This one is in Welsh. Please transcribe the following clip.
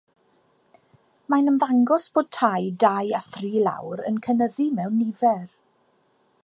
Mae'n ymddangos bod tai dau a thri lawr yn cynyddu mewn nifer.